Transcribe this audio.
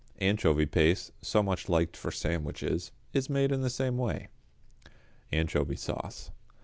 Anchovy Paste, so much liked for sandwiches, is made in the same way. =Anchovy Sauce.